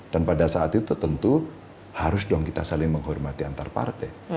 dan pada saat itu tentu harus dong kita saling menghormati antar partai